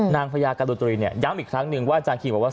นางพยาการุตรีย้ำอีกครั้งหนึ่งว่าอาจารย์ขี้บอกว่า